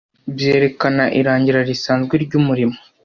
byerekana irangira risanzwe ry umurimo